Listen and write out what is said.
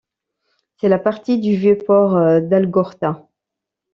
C'est la partie du vieux port d'Algorta.